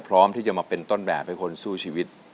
พร้อมที่จะมาเป็นต้นแบบให้คนสู้ชีวิต